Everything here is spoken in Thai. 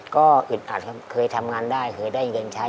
ก็อึดอัดครับเคยทำงานได้เคยได้เงินใช้